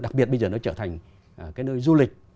đặc biệt bây giờ nó trở thành cái nơi du lịch